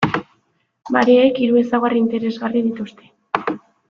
Mareek hiru ezaugarri interesgarri dituzte.